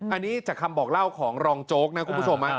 อันนี้จากคำบอกเล่าของรองโจ๊กนะคุณผู้ชม